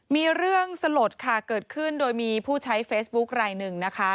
มีเรื่องสลดค่ะเกิดขึ้นโดยมีผู้ใช้เฟซบุ๊คลายหนึ่งนะคะ